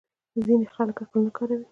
ځینې خلک عقل نه کاروي.